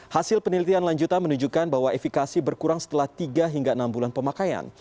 hasil penelitian lanjutan menunjukkan bahwa efikasi berkurang setelah tiga hingga enam bulan pemakaian